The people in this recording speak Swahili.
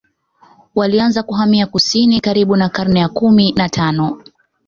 Walianza kuhamia kusini karibu na karne ya kumi na tano